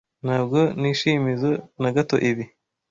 Ntabwo nishimizoe na gato ibi.